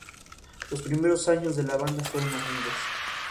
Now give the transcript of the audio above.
Los primeros años de la banda fueron humildes.